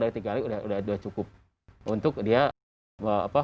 dari tiga hari udah cukup untuk dia